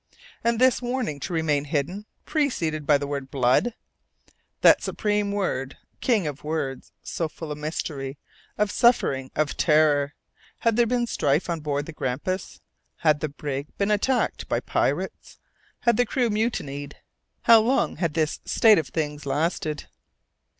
And this warning to remain hidden, preceded by the word "blood" that supreme word, king of words, so full of mystery, of suffering, of terror! Had there been strife on board the Grampus? Had the brig been attacked by pirates? Had the crew mutinied? How long had this state of things lasted?